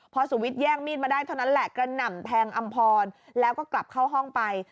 พอสุวิทย์แย่งมีดมาได้เท่านั้นแหละกระหน่ำแทงอำพรแล้วก็กลับเข้าห้องไป